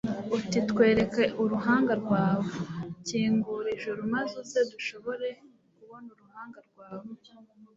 uti twereke uruhanga rwawe, kingura ijuru maze uze dushobore kubona uruhanga rwawe